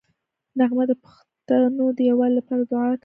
نغمه د پښتنو د یووالي لپاره دوعا کوي